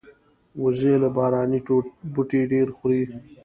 وزې له باراني بوټي ډېر خوري